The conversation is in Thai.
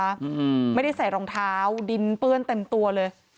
อืมไม่ได้ใส่รองเท้าดินเปื้อนเต็มตัวเลย